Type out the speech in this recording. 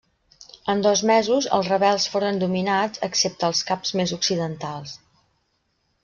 En dos mesos els rebels foren dominats excepte els caps més occidentals.